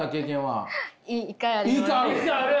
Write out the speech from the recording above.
一回ある！